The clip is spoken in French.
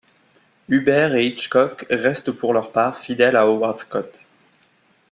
Hubbert et Hitchcock restent pour leur part fidèles à Howard Scott.